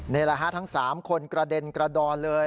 นี่แหละฮะทั้ง๓คนกระเด็นกระดอนเลย